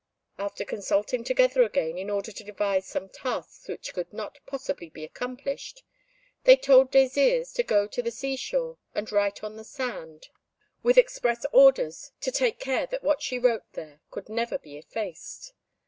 After consulting together again, in order to devise some tasks which could not possibly be accomplished, they told Désirs to go to the sea shore and write on the sand, with express orders to take care that what she wrote there could never be effaced.